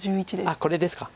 あっこれですか。